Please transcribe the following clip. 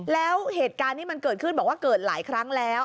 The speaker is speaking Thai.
แล้วเหตุการณ์ที่มันเกิดขึ้นบอกว่าเกิดหลายครั้งแล้ว